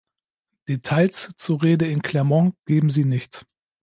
Details zur Rede in Clermont geben sie nicht.